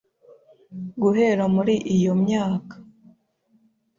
Guhera muri iyo myaka